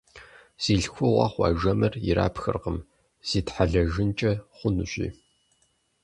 Зи лъхуэгъуэ хъуа жэмыр ирапхыркъым, зитхьэлэжынкӀэ хъунущи.